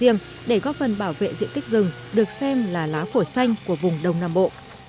riêng để góp phần bảo vệ diện tích rừng được xem là lá phổi xanh của vùng đông nam bộ